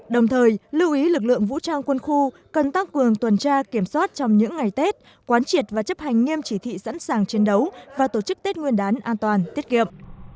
đồng thời lưu ý lực lượng vũ trang quân khu cần tăng cường tuần tra kiểm soát trong những ngày tết quán triệt và chấp hành nghiêm chỉ thị sẵn sàng chiến đấu và tổ chức tết nguyên đán an toàn tiết kiệm